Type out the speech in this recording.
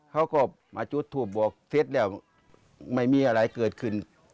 เขาก็มาจุดทูปบอกเสร็จแล้วไม่มีอะไรเกิดขึ้น